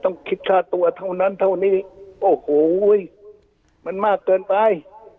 ต้องคิดค่าตัวเท่านั้นเท่านี้โอ้โหมันมากเกินไป